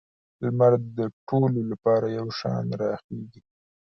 لمر د ټولو لپاره یو شان راخیږي.